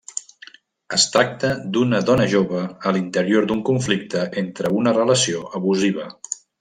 Es tracta d'una dona jove a l'interior d'un conflicte entre una relació abusiva.